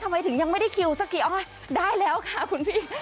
ทำไมถึงยังไม่ได้คิวสักกี่อ้อยได้แล้วค่ะคุณพี่